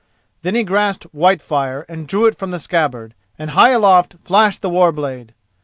Then he grasped Whitefire and drew it from the scabbard, and high aloft flashed the war blade.